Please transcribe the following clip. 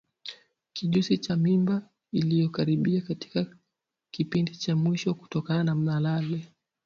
Kijusi cha mimba iliyoharibika katika kipindi cha mwisho kutokana na malale